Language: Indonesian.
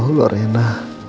ya allah rena